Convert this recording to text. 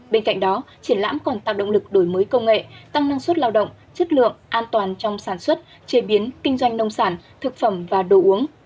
bên cạnh đó triển lãm còn tạo động lực đổi mới công nghệ tăng năng suất lao động chất lượng an toàn trong sản xuất chế biến kinh doanh nông sản thực phẩm và đồ uống